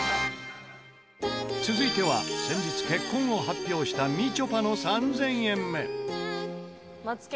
続いては先日結婚を発表したみちょぱの３０００円目。